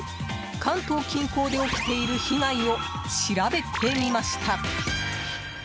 関東近郊で起きている被害を調べてみました。